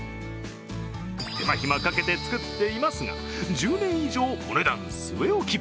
手間暇かけて作っていますが１０年以上、お値段据え置き。